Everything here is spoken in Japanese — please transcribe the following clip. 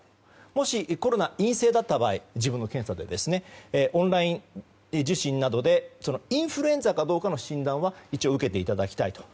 もし自分の検査でコロナ、陰性だった場合はオンライン受診などでインフルエンザかどうかの診断は一応受けていただきたいと。